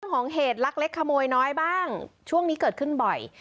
ของเหตุลักเล็กขโมยน้อยบ้างช่วงนี้เกิดขึ้นบ่อย